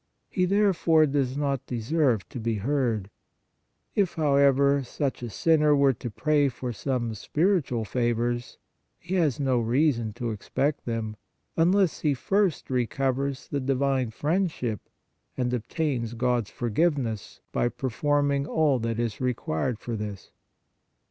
He, therefore, does not deserve to be heard; if, however, such a sinner were to pray for some spiritual favors, he has no reason to expect them, unless he first recovers the divine friendship and obtains God s forgiveness by performing all that is required for this.